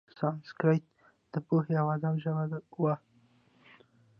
سانسکریت د پوهې او ادب ژبه وه.